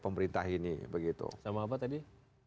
pemerintah ini begitu sama apa tadi